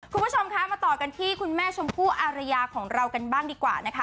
คุณผู้ชมคะมาต่อกันที่คุณแม่ชมพู่อารยาของเรากันบ้างดีกว่านะคะ